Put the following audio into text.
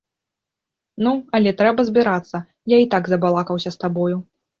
Ну, але трэба збірацца, я й так забалакаўся з табою.